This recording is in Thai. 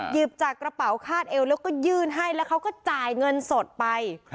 หยิบจากกระเป๋าคาดเอวแล้วก็ยื่นให้แล้วเขาก็จ่ายเงินสดไป